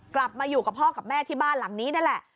กลับมาอยู่กับพ่อกับแม่ที่บ้านหลังนี้นั่นแหละ